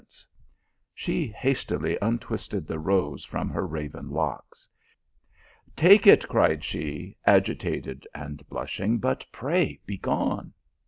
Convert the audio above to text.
She hastily untwisted the rose from her raven locks. " Take it," cried she, agitated and blushing " but pray begone."